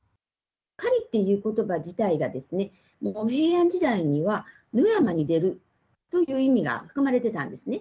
狩りっていうことば自体が平安時代には野山に出るという意味が含まれていたんですね。